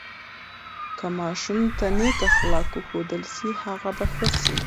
که ماشوم ته نیک اخلاق وښودل سي، هغه به ښه سي.